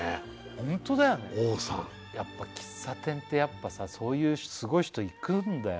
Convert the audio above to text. ホントだよねやっぱ喫茶店ってやっぱさそういうすごい人行くんだよ